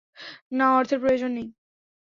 না, অর্থের প্রয়োজন নেই!